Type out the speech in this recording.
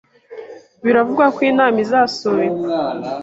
Biravugwa ko inama izasubikwa.